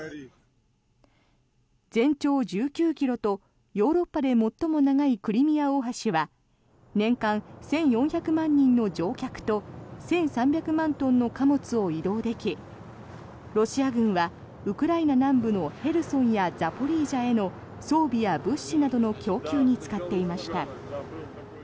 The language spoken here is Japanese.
全長１９ｋｍとヨーロッパで最も長いクリミア大橋は年間１４００万人の乗客と１３００万トンの貨物を移動できロシア軍はウクライナ南部のヘルソンやザポリージャへの装備や物資などの供給に使っていました。